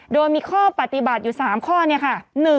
โดยมีข้อปฏิบัติอยู่๓ข้อเนี่ยค่ะ